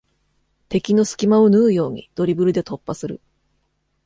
敵の隙間を縫うようにドリブルで突破する